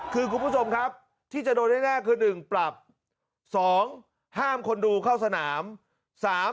คือคุณผู้ชมครับที่จะโดนแน่คือ๑ปรับ๒ห้ามคนดูเข้าสนาม